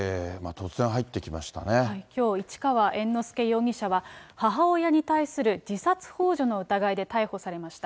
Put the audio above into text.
きょう、市川猿之助容疑者は、母親に対する自殺ほう助の疑いで逮捕されました。